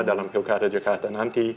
dalam pilkada jakarta nanti